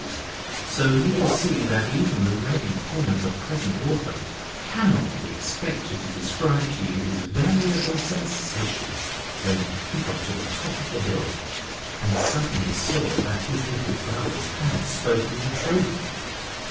's, so you will see that even the ready pen of the present author cannot be expected to describe to you his variable sensations when he got to the top of the hill and suddenly saw that his little brothers had spoken the truth.